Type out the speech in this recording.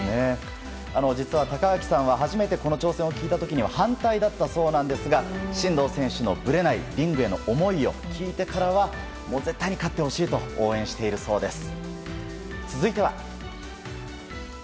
実は高垣さんは初めてこの挑戦を聞いた時には反対だったそうなんですが真道選手のぶれないリングへの思いを聞いてからは絶対に勝ってほしいと応援しているそうです。